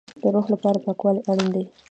د روح لپاره پاکوالی اړین دی